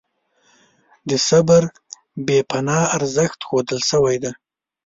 د صبر بې پناه ارزښت ښودل شوی دی.